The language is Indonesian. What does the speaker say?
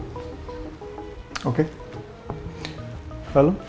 tidak didampingi oleh pengacara